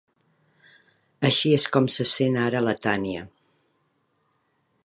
Així és com se sent ara la Tània.